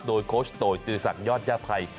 โดยโค้ชตอยศิรษันศ์ยอดญาวไทย